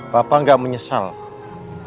papa gak menyesal baca surat itu